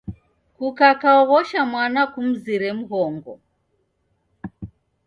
Kukakaoghosha mwana, kumzire mghongo.